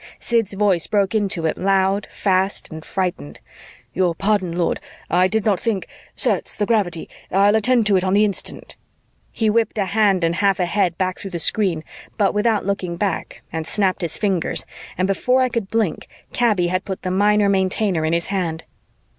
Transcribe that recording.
Sid's voice broke into it, loud, fast and frightened. "Your pardon, Lord, I did not think ... certes, the gravity ... I'll attend to it on the instant." He whipped a hand and half a head back through the screen, but without looking back and snapped his fingers, and before I could blink, Kaby had put the Minor Maintainer in his hand.